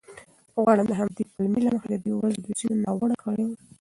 غواړم د همدې پلمې له مخې د دې ورځو د ځینو ناوړه کړیو